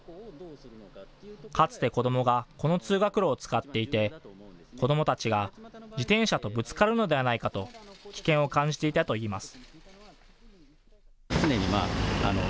かつて子どもがこの通学路を使っていて、子どもたちが自転車とぶつかるのではないかと危険を感じていたといいます。